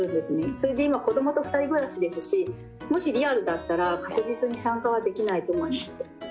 それで今子供と２人暮らしですしもしリアルだったら確実に参加はできないと思います。